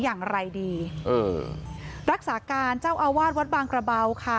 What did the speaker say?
อย่างไรดีเออรักษาการเจ้าอาวาสวัดบางกระเบาค่ะ